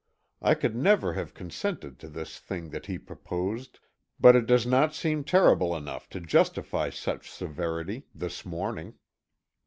I could never have consented to this thing that he proposed, but it does not seem terrible enough to justify such severity this morning.